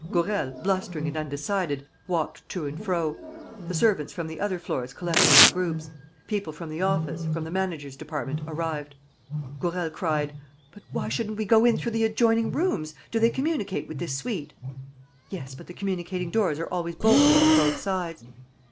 Gourel, blustering and undecided, walked to and fro. The servants from the other floors collected in groups. People from the office, from the manager's department arrived. Gourel cried: "But why shouldn't we go in though the adjoining rooms? Do they communicate with this suite?" "Yes; but the communicating doors are always bolted on both sides."